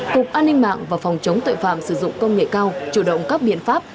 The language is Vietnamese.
cục an ninh mạng và phòng chống tội phạm sử dụng công nghệ cao chủ động các biện pháp